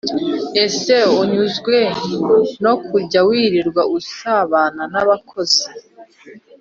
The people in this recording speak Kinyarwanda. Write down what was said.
ese unyuzwe no kujya wirirwa usambana na bakozi